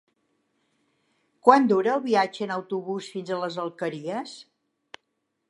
Quant dura el viatge en autobús fins a les Alqueries?